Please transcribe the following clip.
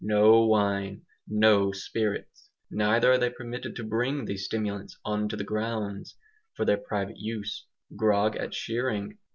No wine, no spirits! Neither are they permitted to bring these stimulants "on to the grounds" for their private use. Grog at shearing?